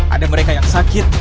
ada mereka yang sakit